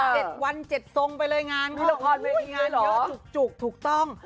เด็ดวันเด็ดทรงไปเลยงานเยอะจุกถูกต้อง